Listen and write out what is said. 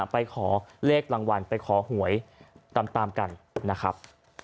ไปขอเลขรางวัลไปขอหวยตามกันนะครับ